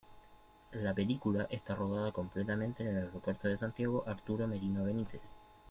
La película está rodada completamente en el Aeropuerto de Santiago Arturo Merino Benítez.